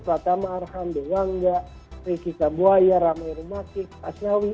pratama arham dewangga riky kabuaya ramai rumahki asnawi